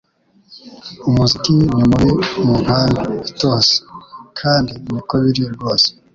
umuziki ni mubi mu nkambi itose kandi niko biri rwose